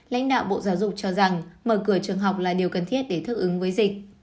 lãnh đạo bộ giáo dục cho rằng mở cửa trường học là điều cần thiết để thích ứng với dịch